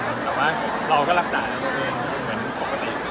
แต่ว่าเราก็รักษาตัวเองเหมือนปกติ